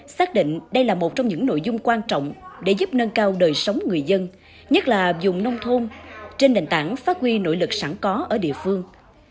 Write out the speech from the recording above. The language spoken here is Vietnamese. xác định đây là một trong những nội dung quan trọng để giúp nâng cao đời sống người dân nhất là dùng nông thôn trên nền tảng phát huy nội lực sẵn có ở địa phương